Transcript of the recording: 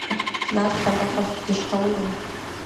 Нас шәабаҟаз, шәзышьҭоузеи?